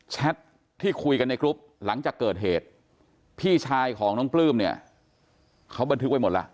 แท็ตที่คุยกันในกรุ๊ปหลังจากเกิดเหตุพี่ชายของน้องปลื้มเนี่ยเขาบันทึกไว้หมดล่ะ